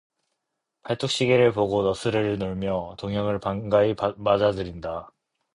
팔뚝시계를 보고 너스레를 놀며 동혁을 반가이 맞아들인다.